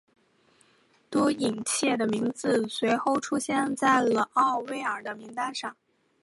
多伊彻的名字随后出现在了奥威尔名单上。